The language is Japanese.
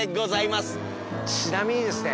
ちなみにですね